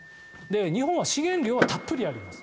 日本は資源量はたっぷりあります。